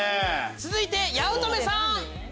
続いて八乙女さん！